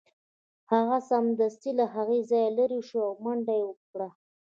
هغه سمدستي له هغه ځایه لیرې شو او منډه یې کړه